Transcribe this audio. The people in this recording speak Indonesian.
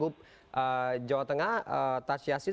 untuk jawa tengah tas yasin